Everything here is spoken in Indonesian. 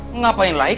pungak pac sophia sih